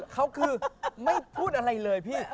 เขาคือไม่พูดอะไรเลยพี่